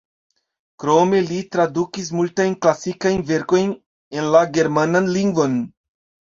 Krome li tradukis multajn klasikajn verkojn en la germanan lingvon.